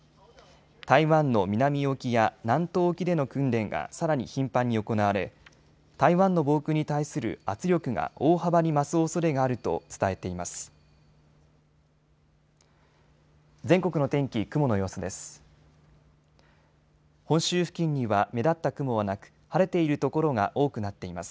台湾の南沖や南東沖での訓練がさらに頻繁に行われ台湾の防空に対する圧力が大幅に増すおそれがあると伝えています。